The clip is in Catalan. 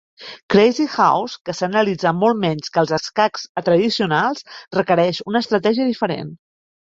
Crazyhouse, que s'ha analitzat molt menys que els escacs tradicionals, requereix una estratègia diferent.